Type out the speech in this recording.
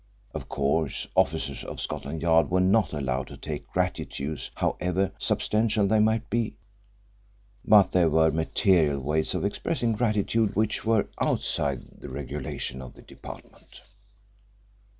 Of course, officers of Scotland Yard were not allowed to take gratuities however substantial they might be, but there were material ways of expressing gratitude which were outside the regulations of the department.